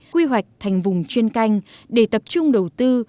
quy hoạch thành vùng chuyên canh để tập trung đầu tư